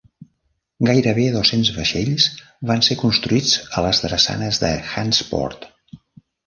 Gairebé dos-cents vaixells van ser construïts a les drassanes de Hantsport.